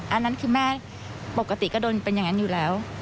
อันนั้นคือแม่ปกติก็โดนเป็นอย่างนั้นอยู่แล้ว